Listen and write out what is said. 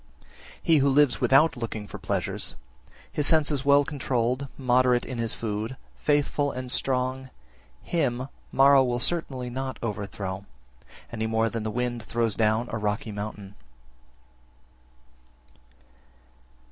8. He who lives without looking for pleasures, his senses well controlled, moderate in his food, faithful and strong, him Mara will certainly not overthrow, any more than the wind throws down a rocky mountain.